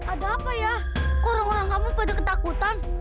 ada apa ya orang orang kamu pada ketakutan